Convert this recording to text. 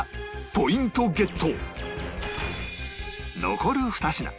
残る２品